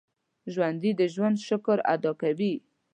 ژوندي د ژوند شکر ادا کوي